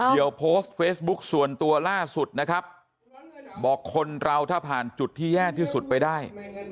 เดี๋ยวโพสต์เฟซบุ๊คส่วนตัวล่าสุดนะครับบอกคนเราถ้าผ่านจุดที่แย่ที่สุดไปได้